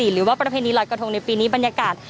หรือว่าประเพณีรอยกระทงในปีนี้บรรยากาศ